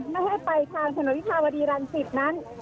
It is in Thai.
ไม่ให้ไปทางสนุนวิทยาวรีรันดร์๑๐นั้น